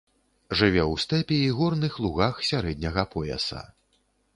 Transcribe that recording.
Жыве ў стэпе і горных лугах сярэдняга пояса.